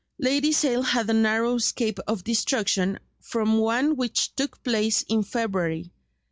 Lady Sale had a narrow escape of destruction from one which took place in February.